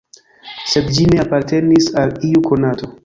Sed ĝi ne apartenis al iu konato.